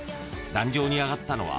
［壇上に上がったのは］